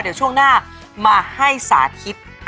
เดี๋ยวช่วงหน้ามาให้สาธิต